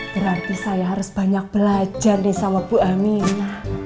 berarti saya harus banyak belajar nih sama bu amina